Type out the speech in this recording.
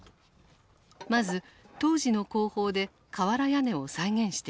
まず当時の工法で瓦屋根を再現してみた。